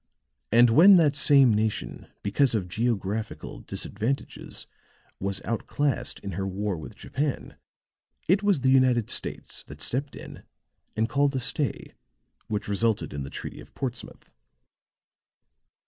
And when that same nation, because of geographical disadvantages, was outclassed in her war with Japan, it was the United States that stepped in and called a stay which resulted in the treaty of Portsmouth."